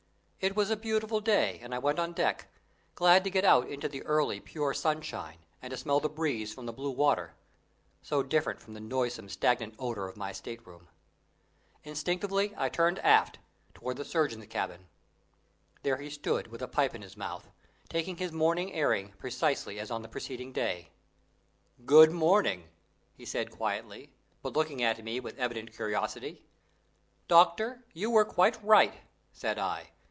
It was a beautiful day and I went on deck, glad to get out into the early, pure sunshine, and to smell the breeze from the blue water, so different from the noisome, stagnant odour of my state room. Instinctively I turned aft, towards the surgeon's cabin. There he stood, with a pipe in his mouth, taking his morning airing precisely as on the preceding day. "Good morning," said he quietly, but looking at me with evident curiosity. "Doctor, you were quite right," said I.